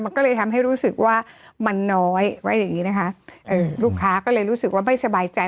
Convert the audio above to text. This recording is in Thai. มันก็เลยทำให้รู้สึกว่ามันน้อยว่าอย่างงี้นะคะเอ่อลูกค้าก็เลยรู้สึกว่าไม่สบายใจ